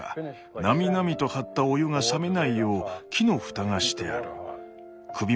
なみなみと張ったお湯が冷めないよう木の蓋がしてあるの。